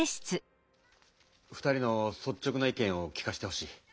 ２人のそっちょくな意見を聞かしてほしい。